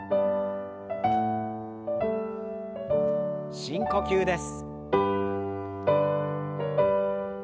深呼吸です。